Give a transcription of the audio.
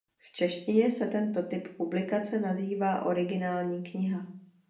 V češtině se tento typ publikace nazývá "Originální kniha".